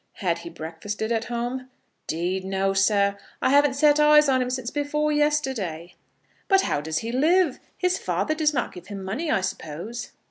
Had he breakfasted at home? "'Deed no, sir. I haven't set eyes on him since before yesterday." "But how does he live? His father does not give him money, I suppose?"